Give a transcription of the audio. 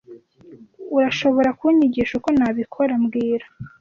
Urashobora kunyigisha uko nabikora mbwira